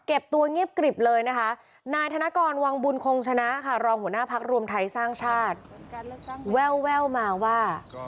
ตัวเงียบกริบเลยนะคะนายธนกรวังบุญคงชนะค่ะรองหัวหน้าพักรวมไทยสร้างชาติแววมาว่า